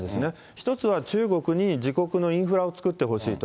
１つは中国に自国のインフラを作ってほしいと。